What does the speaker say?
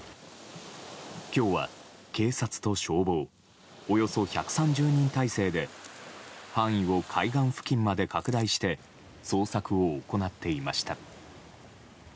今日は、警察と消防およそ１３０人態勢で範囲を海岸付近まで拡大して捜索を行っていました。